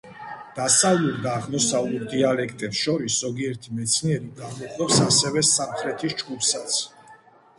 დასავლურ და აღმოსავლურ დიალექტებს შორის ზოგიერთი მეცნიერი გამოჰყოფს ასევე სამხრეთის ჯგუფსაც.